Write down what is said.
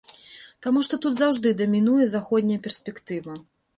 Таму што тут заўжды дамінуе заходняя перспектыва.